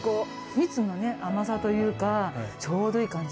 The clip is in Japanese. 蜜のね甘さというかちょうどいい感じ。